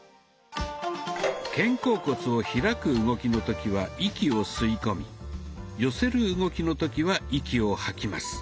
肩甲骨を開く動きの時は息を吸い込み寄せる動きの時は息を吐きます。